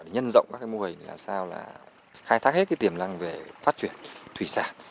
nhân rộng các mô hình làm sao là khai thác hết cái tiềm lăng về phát triển thủy sản